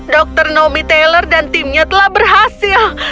dokter naomi taylor dan timnya telah berhasil